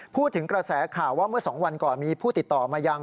พูดถึงกระแสข่าวว่าเมื่อ๒วันก่อนมีผู้ติดต่อมายัง